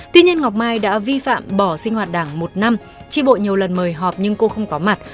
tuy nhiên ngọc mai đã vi phạm bỏ sinh hoạt đảng một năm tri bộ nhiều lần mời họp nhưng cô không có mặt